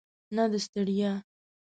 نه د ستړیا.